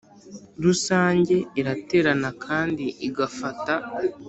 Rusange iraterana kandi igafata